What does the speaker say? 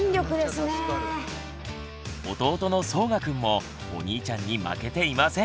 弟のそうがくんもお兄ちゃんに負けていません。